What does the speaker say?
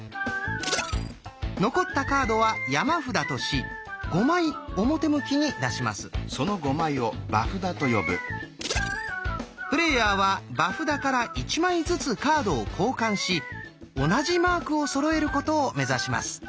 残ったカードは山札としプレーヤーは場札から１枚ずつカードを交換し同じマークをそろえることを目指します。